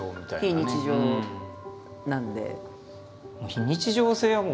非日常なんで。